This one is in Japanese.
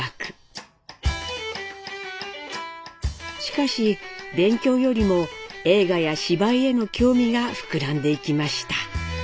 しかし勉強よりも映画や芝居への興味が膨らんでいきました。